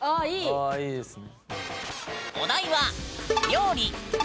ああいいですね。